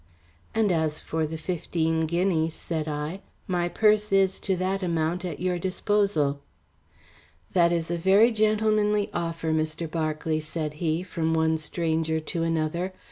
"And as for the fifteen guineas," said I, "my purse is to that amount at your disposal." "That is a very gentlemanly offer, Mr. Berkeley," said he, "from one stranger to another.